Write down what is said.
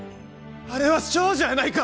あれは少女やないか！